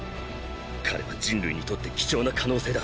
彼は人類にとって貴重な可能性だ。